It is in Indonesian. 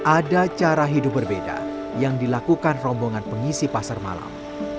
ada cara hidup berbeda yang dilakukan rombongan pengisi pasar malam